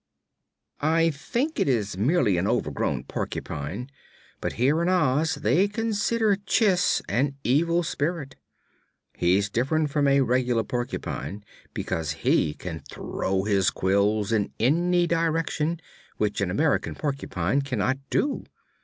"I think it is merely an overgrown porcupine, but here in Oz they consider Chiss an evil spirit. He's different from a reg'lar porcupine, because he can throw his quills in any direction, which an American porcupine cannot do.